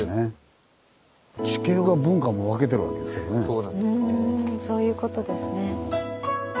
うんそういうことですね。